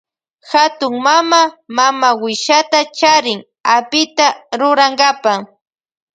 Hatun mama mamawishata charin apita rurankapa.